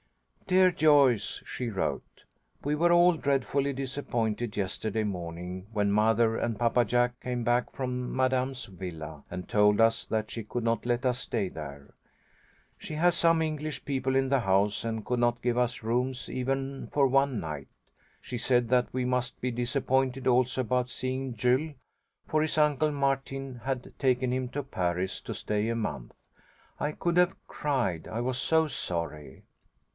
"Dear Joyce," she wrote. "We were all dreadfully disappointed yesterday morning when mother and Papa Jack came back from Madame's villa, and told us that she could not let us stay there. She has some English people in the house, and could not give us rooms even for one night. She said that we must be disappointed also about seeing Jules, for his Uncle Martin has taken him to Paris to stay a month. I could have cried, I was so sorry.